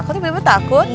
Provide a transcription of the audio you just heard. kok tiba tiba takut